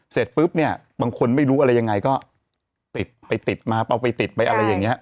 เสร็จปุ๊บเนี่ยบางคนไม่รู้อะไรยังไงก็ติดไปติดมาเอาไปติดไปอะไรอย่างนี้